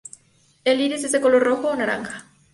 El iris es de color rojo o naranja.